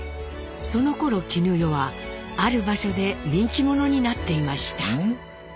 そのころ絹代はある場所で人気者になっていました。